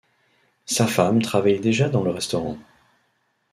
Sa femme travaillait déjà dans le restaurant.